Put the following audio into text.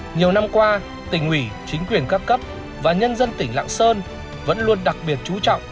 nhiều năm qua tỉnh ủy chính quyền các cấp và nhân dân tỉnh lạng sơn vẫn luôn đặc biệt chú trọng